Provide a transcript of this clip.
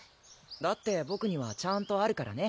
だってボクにはちゃんとあるからね